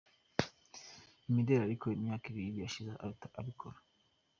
imideli ariko imyaka ibiri ishize abikora.